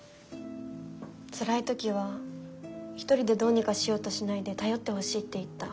つらい時は一人でどうにかしようとしないで頼ってほしいって言った。